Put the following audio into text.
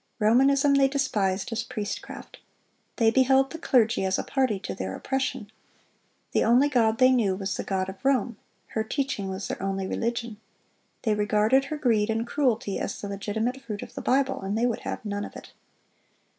Romanism they despised as priestcraft. They beheld the clergy as a party to their oppression. The only god they knew was the god of Rome; her teaching was their only religion. They regarded her greed and cruelty as the legitimate fruit of the Bible, and they would have none of it.